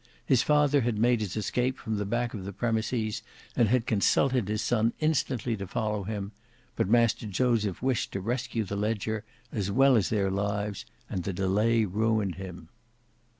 His father had made his escape from the back of the premises and had counselled his son instantly to follow him, but Master Joseph wished to rescue the ledger as well as their lives, and the delay ruined him.